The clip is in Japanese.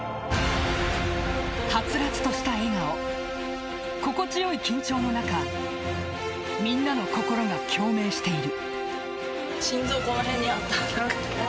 はつらつとした笑顔心地よい緊張感の中みんなの心が共鳴している。